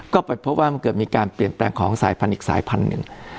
ก็ไปพบว่ามันเกิดมีการเปลี่ยนแปลงของสายพันธุ์อีกสายพันธุ์หนึ่ง